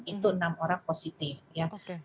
itu enam orang positif ya